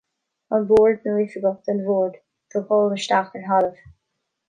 An Bord nó oifigigh don Bhord do dhul isteach ar thalamh.